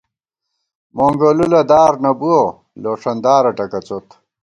مونگولُولہ دارنہ بُوَہ ، لوݭن دارہ ٹکَڅوت